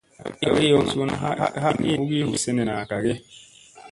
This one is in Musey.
Agi yow suuna ha iini ugi hu senena gage ?